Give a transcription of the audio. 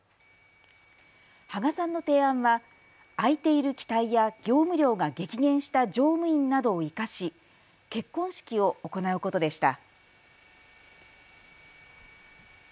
芳賀さんの提案は、空いている機体や業務量が激減した乗務員などを生かし結婚式を行うことでした。